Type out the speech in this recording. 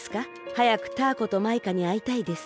はやくタアコとマイカにあいたいです。